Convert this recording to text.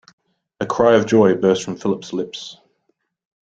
A cry of joy burst from Philip's lips.